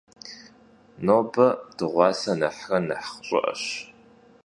Nobe dığuase nexhre nexh ş'ı'eş.